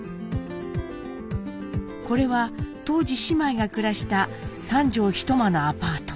これは当時姉妹が暮らした三畳一間のアパート。